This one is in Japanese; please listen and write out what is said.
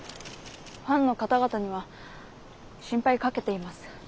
ファンの方々には心配かけています。